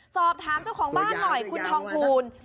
สอบถามเจ้าของบ้านหน่อยคุณทองภูล